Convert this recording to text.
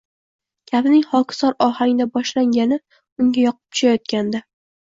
Gapning xokisor ohangda boshlangani unga yoqib tushayotgandi